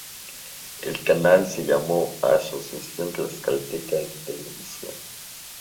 El canal se llamó: Asociación Tlaxcalteca de Televisión.